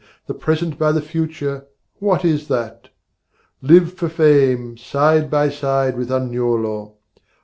'The present by the future, what is that? 'Live for fame, side by side with Agnolo!